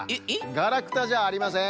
ガラクタじゃありません！